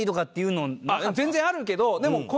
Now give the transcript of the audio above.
全然あるけどでも。